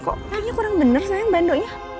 kok kayaknya kurang bener sayang bandonya